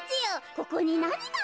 ここになにがあるんじゃ？」。